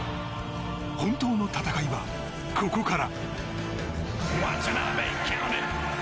本当の戦いは、ここから。